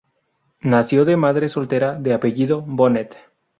Nació de madre soltera, de apellido Bonnet.